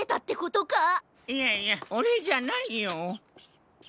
いやいやオレじゃないよ。